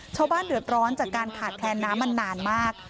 ชาวบ้านเดือดร้อนจากการขาดแคลนน้ำมันนานมาก